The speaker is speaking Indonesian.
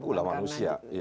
ulah manusia iya